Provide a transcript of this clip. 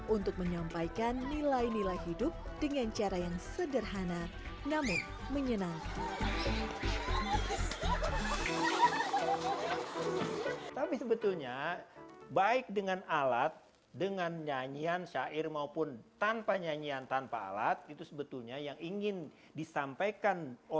untuk menyampaikan nilai nilai hidup dengan cara yang sederhana namun menyenangkan